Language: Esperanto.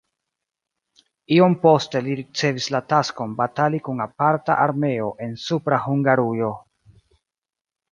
Iom poste li ricevis la taskon batali kun aparta armeo en Supra Hungarujo.